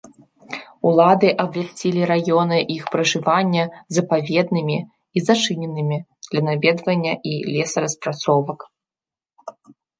Улады абвясцілі раёны іх пражывання запаведнымі і зачыненымі для наведвання і лесараспрацовак.